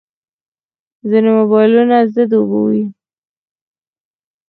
ځینې موبایلونه ضد اوبو وي.